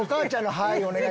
「はい」